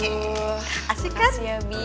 aduh asyik kan